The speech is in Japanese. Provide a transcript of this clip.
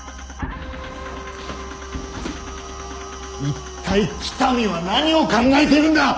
いったい北見は何を考えているんだ！